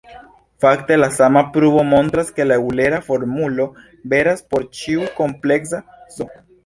Fakte, la sama pruvo montras ke la eŭlera formulo veras por ĉiu kompleksa "z".